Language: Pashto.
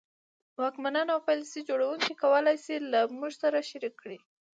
واکمنان او پالیسي جوړوونکي کولای شي له موږ سره شریک کړي.